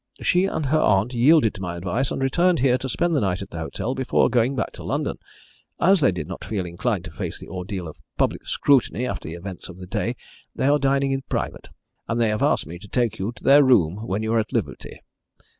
She and her aunt yielded to my advice, and returned here to spend the night at the hotel before going back to London. As they did not feel inclined to face the ordeal of public scrutiny after the events of the day they are dining in private, and they have asked me to take you to their room when you are at liberty.